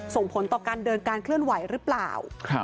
ส่งผลต่อการเดินการเคลื่อนไหวหรือเปล่า